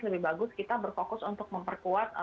lebih bagus kita berfokus untuk memperkuat